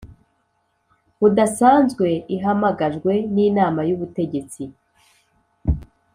budasanzwe ihamagajwe n Inama y Ubutegetsi